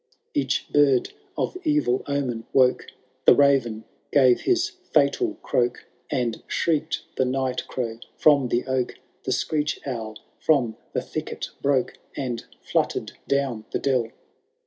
Each bird of evil omen woke. The raven gave his fiital croak. And shrieked the night crow from the oak. The screech owl from the thicket broke. And fluttered down the dell